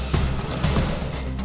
dia sama ada yanglusion